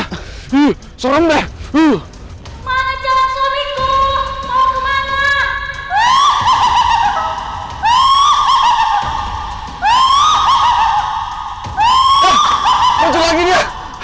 di serem deh tuh mana jawab suamiku mau kemana